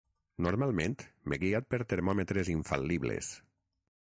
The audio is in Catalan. Normalment, m’he guiat per termòmetres infal·libles.